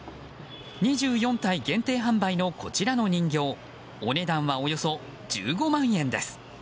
２４体限定販売のこちらの人形お値段はおよそ１５万円です。